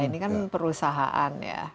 ini kan perusahaan ya